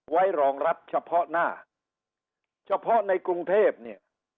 ไว้รองรับเฉพาะหน้าเฉพาะในกรุงเทพเนี่ย